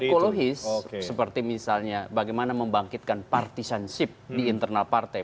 psikologis seperti misalnya bagaimana membangkitkan partisanship di internal partai